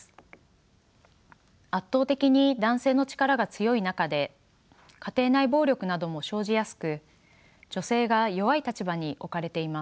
圧倒的に男性の力が強い中で家庭内暴力なども生じやすく女性が弱い立場に置かれています。